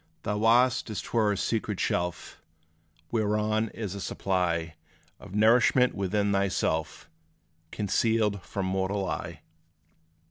Thou hast, as 't were, a secret shelf Whereon is a supply, Of nourishment within thyself, Concealed from mortal eye.